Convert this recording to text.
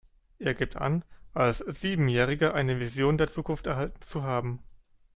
Er gibt an, als Siebenjähriger eine Vision der Zukunft erhalten zu haben.